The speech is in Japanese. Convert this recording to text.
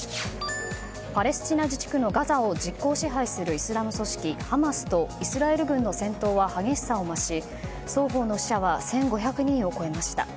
パレスチナ自治区のガザを実効支配するイスラム組織ハマスとイスラエル軍の戦闘は激しさを増し双方の死者は１５００人を超えました。